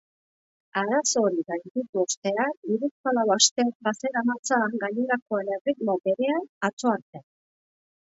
Arazo hori gainditu ostean, hiruzpalau aste bazeramatzan gainerakoen erritmo berean atzo arte.